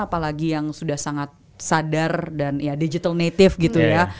apalagi yang sudah sangat sadar dan ya digital native gitu ya